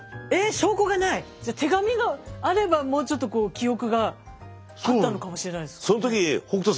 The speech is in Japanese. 手紙があればもうちょっとこう記憶があったのかもしれないですかね。